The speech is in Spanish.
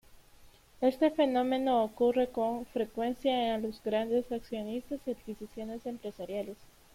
Este fenómeno ocurre con frecuencia a los grandes accionistas y adquisiciones empresariales.